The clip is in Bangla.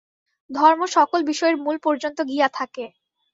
ধর্ম সকল-বিষয়ের মূল পর্যন্ত গিয়া থাকে।